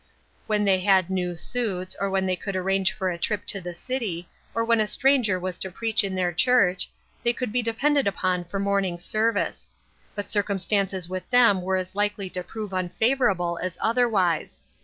. When they had new suits, or when they could arrange for a trip to the city, or when a stranger was to preach in their church, they could be depended upon for morning service. But circumstances with them were as likely to prove unfavorable as otherwise.